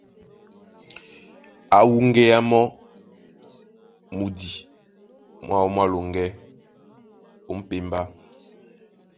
Á wúŋgéá mɔ́ mudî mwáō mwá loŋgɛ́ ó m̀pémbá.